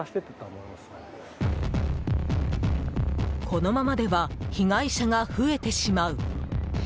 このままでは被害者が増えてしまう。